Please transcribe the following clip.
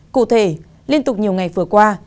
cụ thể liên tục nhiều ngày vừa qua